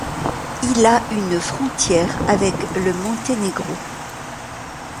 Il a une frontière avec le Monténégro.